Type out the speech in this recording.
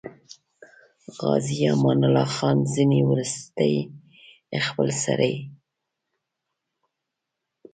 عازي امان الله خان ځینې وروستۍخپلسرۍ.